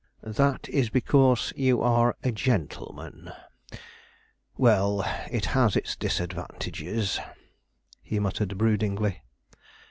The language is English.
"That is because you are a gentleman. Well, it has its disadvantages," he muttered broodingly.